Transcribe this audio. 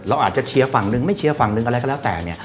เราอาจจะเชียร์ฝั่งหนึ่งไม่เชียร์ฝั่งหนึ่งอะไรก็แล้วแต่เนี่ย